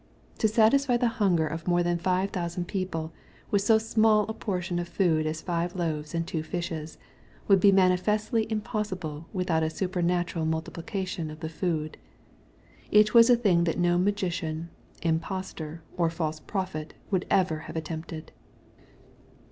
To satisfy the hunger of more than five thousand people with so small a portion of food as five loaves and two fishes, would be manifestly impossible with out a supernatural multiplication of the food. It was a thing that no magician, impostor, or false prophet would ever have attempted.